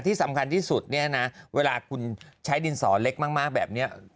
ที่สำคัญที่สุดเนี่ยนะเวลาคุณใช้ดินสอเล็กมากแบบนี้